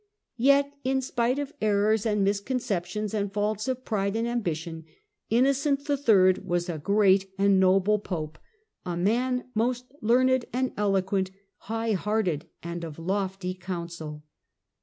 Yet, in spite of errors and misconceptions and faults of pride and ambition. Innocent III. was a great and noble Pope, " a man most learned and eloquent, high hearted and of lofty counsel."